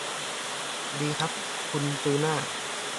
ดีครับคุณจูน่า